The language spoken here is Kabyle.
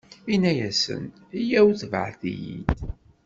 Inna-asen: Yyaw, tebɛet-iyi-d!